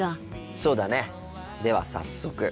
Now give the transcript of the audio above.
そうだねでは早速。